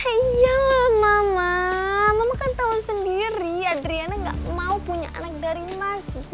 ya iyalah mama mama kan tahu sendiri adriana gak mau punya anak dari mas b